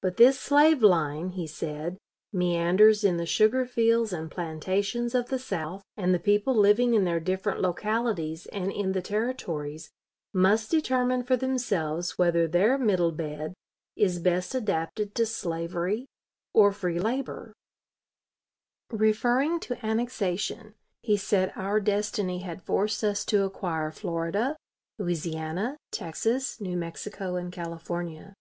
But this slave line, he said, meanders in the sugar fields and plantations of the South, and the people living in their different localities and in the Territories must determine for themselves whether their "middle bed" is best adapted to slavery or free labor. Douglas, Memphis Speech, Nov. 29, 1858. Memphis "Eagle and Enquirer." Referring to annexation, he said our destiny had forced us to acquire Florida, Louisiana, Texas, New Mexico, and California.